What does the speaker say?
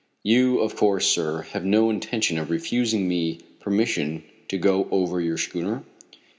"You, of course, sir, have no intention of refusing me permission to go over your schooner?"